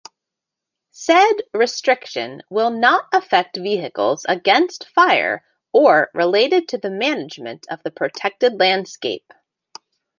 Said restriction will not affect vehicles against fire or related to the management of the protected landscape.